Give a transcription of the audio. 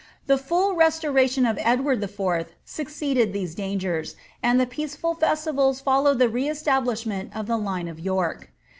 The full restoration of Edward IV. succeeded these dangers, and peaceful festivals followed the re establishment of the line of York.